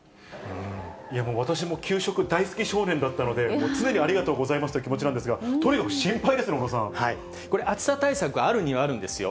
私も給食大好き少年だったので、常にありがとうございますという気持ちなんですが、とにかく心配ですね、これ、暑さ対策あるにはあるんですよ。